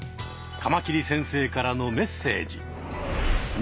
カマキリ先生からのメッセージ！